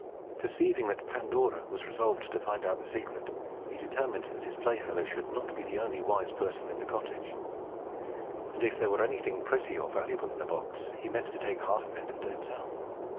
Perceiving that Pandora was resolved to find out the secret, he determined that his playfellow should not be the only wise person in the cottage. And if there were anything pretty or valuable in the box, he meant to take half of it to himself.